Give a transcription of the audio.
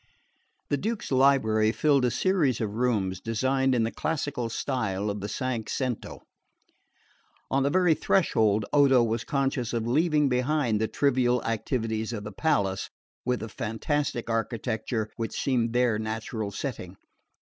The Duke's library filled a series of rooms designed in the classical style of the cinque cento. On the very threshold Odo was conscious of leaving behind the trivial activities of the palace, with the fantastic architecture which seemed their natural setting.